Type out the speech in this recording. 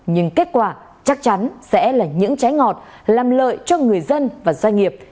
nhưng kết quả chắc chắn sẽ là những trái ngọt làm lợi cho người dân và doanh nghiệp